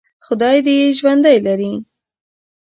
خدای دې یې ژوندي لري.